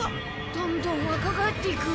どんどんわか返っていく。